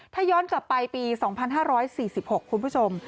ถ้าย้อนกลับไปปี๒๕๔๖คุณผู้ชม